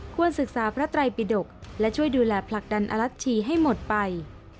ศึกษาพระไตรปิดกและช่วยดูแลผลักดันอรัชชีให้หมดไป